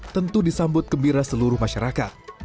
tentu disambut gembira seluruh masyarakat